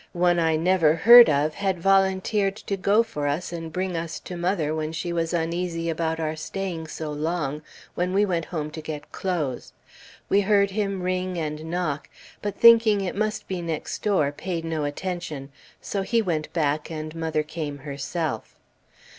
One I never heard of had volunteered to go for us, and bring us to mother, when she was uneasy about our staying so long, when we went home to get clothes. We heard him ring and knock, but, thinking it must be next door, paid no attention, so he went back and mother came herself.